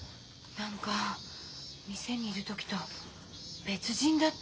何か店にいる時と別人だった。